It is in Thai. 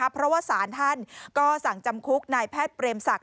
เพราะว่าสารท่านก็สั่งจำคุกนายแพทย์เปรมศักดิ